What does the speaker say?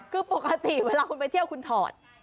คือปกติเวลาคุณไปเที่ยวคุณถอด